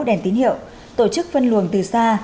đèn tín hiệu tổ chức phân luồng từ xa